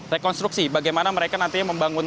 rekonstruksi bagaimana mereka nantinya membangun